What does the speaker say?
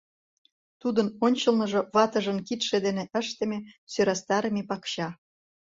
Тудын ончылныжо ватыжын кидше дене ыштыме, сӧрастарыме пакча.